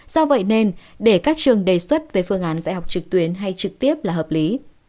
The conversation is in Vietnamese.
do vậy nên để các trường đề xuất về phương án dạy học trực tuyến hay trực tiếp là hợp lý